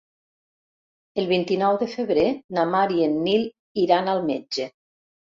El vint-i-nou de febrer na Mar i en Nil iran al metge.